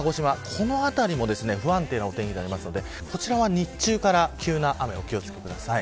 この辺りも不安定なお天気になるのでこちらは日中から急な雨にお気を付けください。